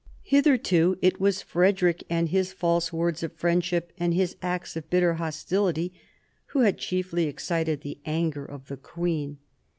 Hitherto it was Frederick, with his false words of friendship and his acts of bitter hostility, who had chiefly excited the anger of the queen.